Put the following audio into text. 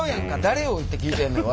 誰よって聞いてんのよ